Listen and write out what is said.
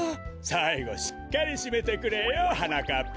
さいごしっかりしめてくれよはなかっぱ。